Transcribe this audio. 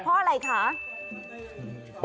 เพราะอะไรคะ